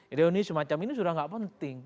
ironis semacam ini sudah tidak penting